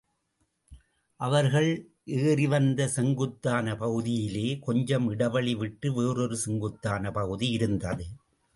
அவர்கள் ஏறிவந்த செங்குத்தான பகுதியிலே கொஞ்சம் இடைவெளி விட்டு வேறொரு செங்குத்தான பகுதி இருந்தது.